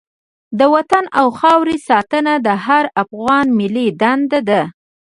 د وطن او خاورې ساتنه د هر افغان ملي دنده ده.